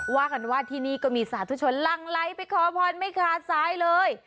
ว่ากันว่าที่นี่ก็มีสาธุชนลั่งไลค์ไปขอพรไม่ขาดซ้ายเลย